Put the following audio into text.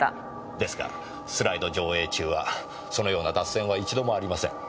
ですがスライド上映中はそのような脱線は一度もありません。